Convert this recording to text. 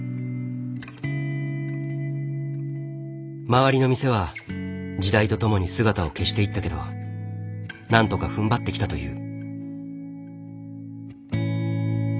周りの店は時代とともに姿を消していったけどなんとかふんばってきたという。